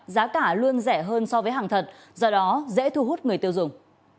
giá cả luôn rẻ hơn so với hàng thật do đó dễ thu hút người tiêu dùng